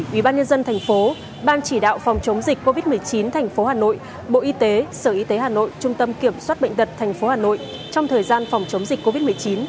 ubnd tp ban chỉ đạo phòng chống dịch covid một mươi chín tp hà nội bộ y tế sở y tế hà nội trung tâm kiểm soát bệnh tật tp hà nội trong thời gian phòng chống dịch covid một mươi chín